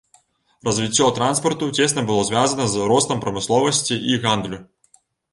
Развіццё транспарту цесна было звязана з ростам прамысловасці і гандлю.